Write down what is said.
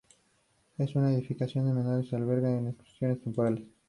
En una edificación menor se albergan exposiciones temporales.